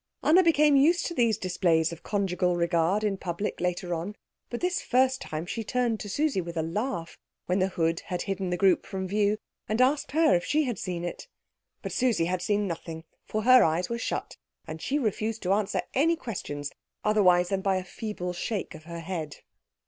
Anna became used to these displays of conjugal regard in public later on; but this first time she turned to Susie with a laugh, when the hood had hidden the group from view, and asked her if she had seen it. But Susie had seen nothing, for her eyes were shut, and she refused to answer any questions otherwise than by a feeble shake of the head.